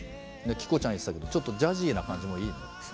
希子ちゃん言ってたけどちょっとジャジーな感じもいいね。